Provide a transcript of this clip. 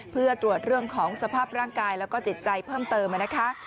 เพื่อตรวจเรื่องของสภาพร่างกายแล้วก็จิตใจเพิ่มเติมนะคะ